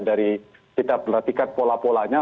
dari kita perhatikan pola polanya